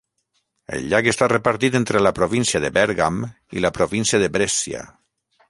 El llac està repartit entre la província de Bèrgam i la província de Brescia.